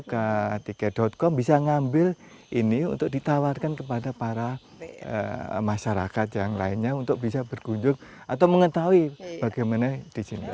ke tiket com bisa ngambil ini untuk ditawarkan kepada para masyarakat yang lainnya untuk bisa berkunjung atau mengetahui bagaimana di sini